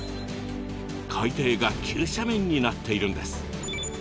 海底が急斜面になっているんです。